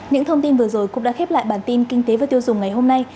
những thông tin vừa rồi cũng đã khép lại bản tin kinh tế và tiêu dùng ngày hôm nay